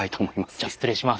じゃ失礼します。